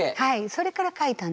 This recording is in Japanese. それから書いたんです。